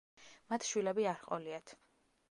მათ შვილები არ ჰყოლიათ.